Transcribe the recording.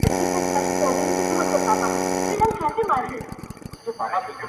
توره تیاره ده دروازه یې ده چینجو خوړلې-